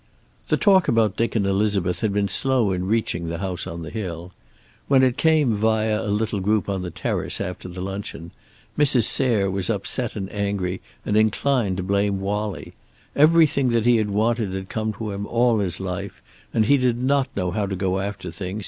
The talk about Dick and Elizabeth had been slow in reaching the house on the hill. When it came, via a little group on the terrace after the luncheon, Mrs. Sayre was upset and angry and inclined to blame Wallie. Everything that he wanted had come to him, all his life, and he did not know how to go after things.